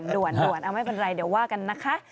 ด่วนเอาไม่เป็นไรเดี๋ยวว่ากันนะคะ